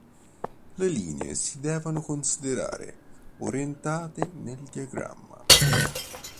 Le linee si devono considerare orientate nel diagramma.